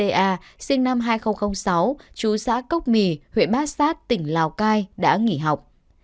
t a m sinh năm hai nghìn sáu chú thị trấn bát sát huyện bát sát tỉnh lào cai đã nghỉ học